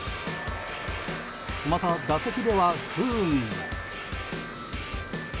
また、打席では不運にも。